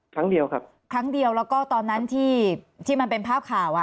ครั้งเดียวครับครั้งเดียวแล้วก็ตอนนั้นที่ที่มันเป็นภาพข่าวอ่ะ